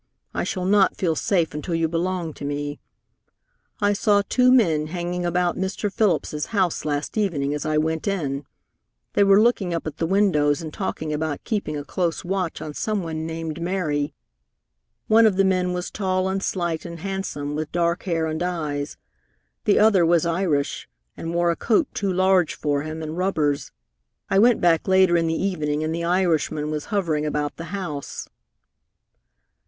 I shall not feel safe until you belong to me. I saw two men hanging about Mr. Phillips's house last evening as I went in. They were looking up at the windows and talking about keeping a close watch on some one named Mary. One of the men was tall and slight and handsome, with dark hair and eyes; the other was Irish, and wore a coat too large for him, and rubbers. I went back later in the evening, and the Irishman was hovering about the house."